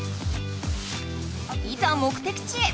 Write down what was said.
いざ目的地へ。